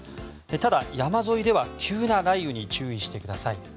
ただ、山沿いでは急な雷雨に注意してください。